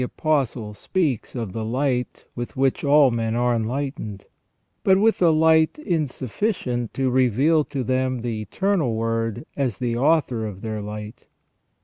Apostle speaks of the light with which all men are enlightened, but with a light insufficient to reveal to them the Eternal Word as the author of their light.